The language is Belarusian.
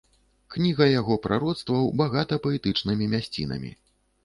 Кніга яго прароцтваў багата паэтычнымі мясцінамі.